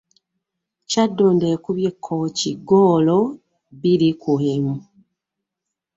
Kyaddondo ekubye Kkooki ggoolo bbiri ku emu